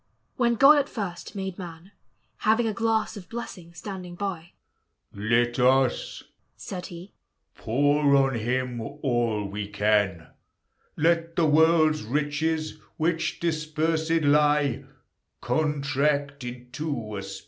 When God at first made man, Having a glass of blessings standing by, Let us (said he) pour on him all we can: Let the world's riches, which dispersed lie, Contract into a span.